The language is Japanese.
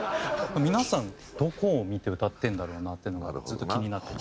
皆さんどこを見て歌ってるんだろうなっていうのがずっと気になって。